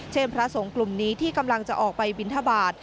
พระสงฆ์กลุ่มนี้ที่กำลังจะออกไปบินทบาท